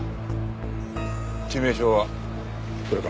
致命傷はこれか？